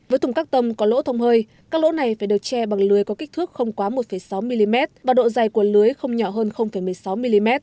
với thùng các tông có lỗ thông hơi các lỗ này phải được che bằng lưới có kích thước không quá một sáu mm và độ dày của lưới không nhỏ hơn một mươi sáu mm